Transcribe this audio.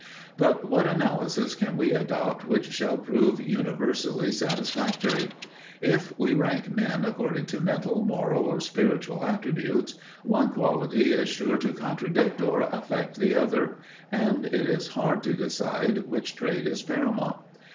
But what analysis can we adopt which shall prove universally satisfactory? If we rank men according to mental, moral or spiritual attributes, one quality is sure to contradict or affect the other, and it is hard to decide which trait is paramount.